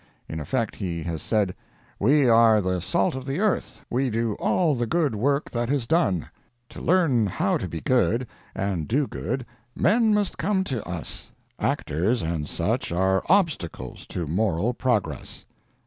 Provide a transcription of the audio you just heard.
In effect he has said, "We are the salt of the earth; we do all the good work that is done; to learn how to be good and do good, men must come to us; actors and such are obstacles to moral progress."